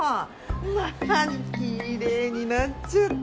なにきれいになっちゃって。